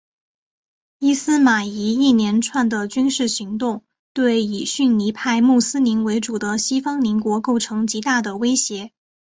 伊斯玛仪一连串的军事行动对以逊尼派穆斯林为主的西方邻国构成极大的威胁。